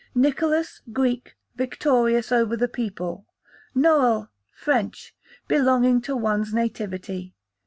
Nicholas, Greek, victorious over the people. Noel, French, belonging to one's nativity.